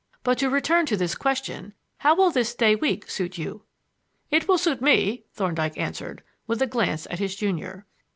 "But to return to this question: how will this day week suit you?" "It will suit me," Thorndyke answered, with a glance at his junior.